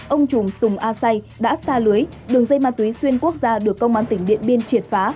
ông chùm sùng a say đã xa lưới đường dây ma túy xuyên quốc gia được công an tỉnh điện biên triệt phá